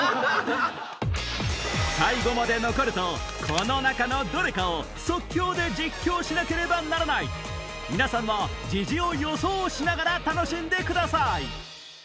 最後まで残るとこの中のどれかを即興で実況しなければならない皆さんもジジを予想しながら楽しんでください